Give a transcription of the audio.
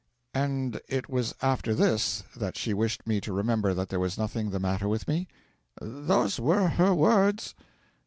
'And it was after this that she wished me to remember that there was nothing the matter with me?' 'Those were her words.'